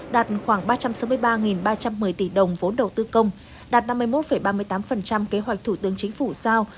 đạt khoảng ba trăm sáu mươi ba ba trăm một mươi tỷ đồng vốn đầu tư công đạt năm mươi một ba mươi tám kế hoạch thủ tướng chính phủ giao